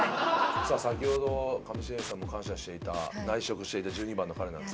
さあ先ほど上白石さんも感謝していた内職していた１２番の彼なんですけども。